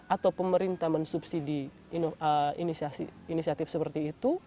atau pemerintah mensubsidi inisiatif seperti itu